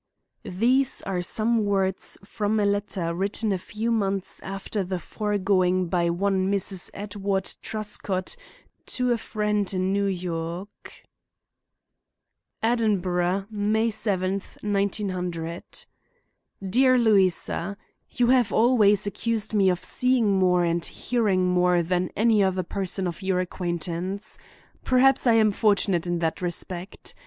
These are some words from a letter written a few months after the foregoing by one Mrs. Edward Truscott to a friend in New York: "Edinburgh, May 7th, 1900. "Dear Louisa:—You have always accused me of seeing more and hearing more than any other person of your acquaintance. Perhaps I am fortunate in that respect.